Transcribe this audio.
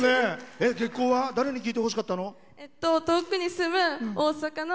「月光」は誰に聴いてほしかったの？